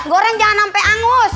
goreng jangan sampai angus